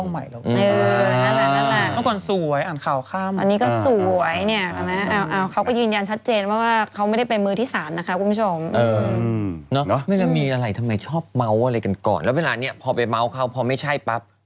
เวลาเรามีอะไรทำไมชอบเมาส์อะไรกันก่อนแล้วเวลานี้พอไปเมาส์เขาพอไม่ใช่ปั๊บ